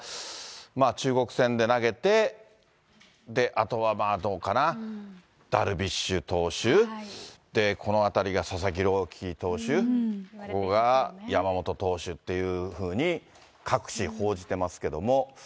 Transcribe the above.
まあ中国戦で投げて、あとはもうどうかな、ダルビッシュ投手、このあたりが佐々木朗希投手、ここが山本投手っていうふうに、各紙報じてますけど。